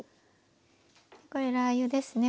これラー油ですね。